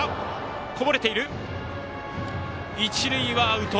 一塁はアウト。